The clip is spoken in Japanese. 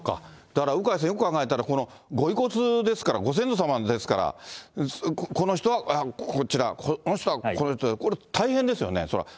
だから鵜飼さん、よく考えたら、ご遺骨ですから、ご先祖様ですから、この人はこちら、この人はこの人で、これ大変ですよね、それは。